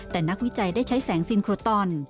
แต่นักวิจัยได้ใช้แสงซินโครตอน